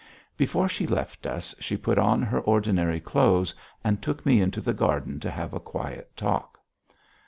Before she left us, she put on her ordinary clothes, and took me into the garden to have a quiet talk.